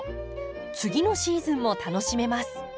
次のシーズンも楽しめます。